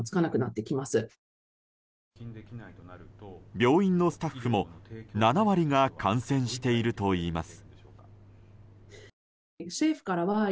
病院のスタッフも７割が感染しているといいます。